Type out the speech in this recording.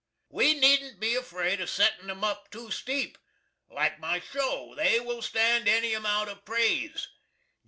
We needn't be afraid of setting 'em up two steep. Like my show, they will stand any amount of prase.